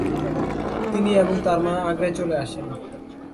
তিনি এবং তার মা আগ্রায় চলে আসেন।